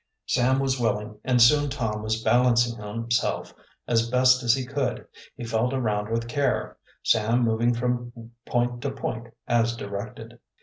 Sam was willing, and soon Tom was balancing himself as best he could. He felt around with care, Sam moving from point to point as directed.